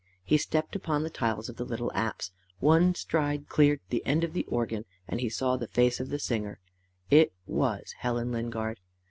He stepped upon the tiles of the little apse. One stride cleared the end of the organ, and he saw the face of the singer: it WAS Helen Lingard!